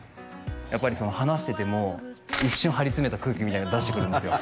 やっぱりその話してても一瞬張り詰めた空気みたいなの出してくるんですよ